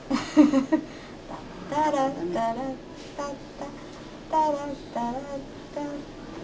タラッタラッタラッタタラッタラッタッタ。